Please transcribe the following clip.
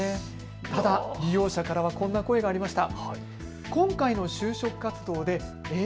ただ利用者からはこんな声がありました。